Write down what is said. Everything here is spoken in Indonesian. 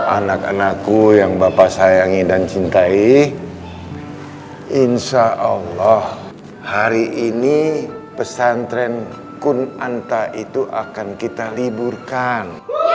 anak anakku yang bapak sayangi dan cintai insyaallah hari ini pesantren kunanta itu akan kita liburkan